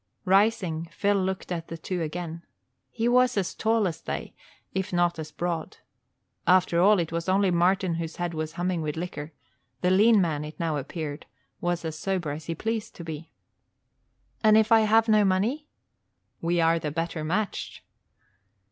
Rising, Phil looked at the two again. He was as tall as they, if not so broad. After all, it was only Martin whose head was humming with liquor; the lean man, it now appeared, was as sober as he pleased to be. "And if I have no money?" "We are the better matched."